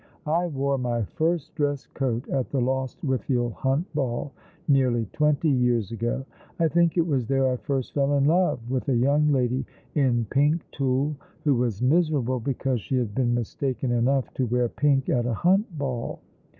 I wore my first dress coat at the Lostwithiel Hunt Ball nearly twenty years ago. I thiuk it was there I first fell in love, with a young lady in pink tulle, who was miserable because she had been mistaken enough to wear pink at a hunt ball.